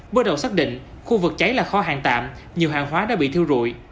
bước đầu xác định khu vực cháy là kho hàng tạm nhiều hàng hóa đã bị thiêu rụi